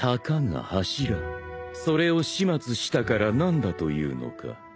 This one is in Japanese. それを始末したから何だというのか？